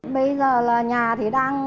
bây giờ là nhà thì đang